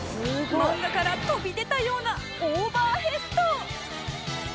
マンガから飛び出たようなオーバーヘッド！